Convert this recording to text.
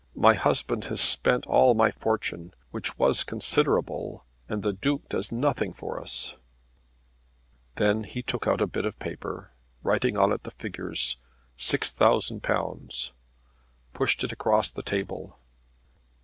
My husband has spent all my fortune, which was considerable; and the Duke does nothing for us." Then he took a bit of paper and, writing on it the figures "£6,000," pushed it across the table.